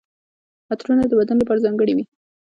عطرونه د ودونو لپاره ځانګړي وي.